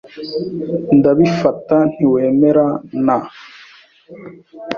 Ndabifata ntiwemera na .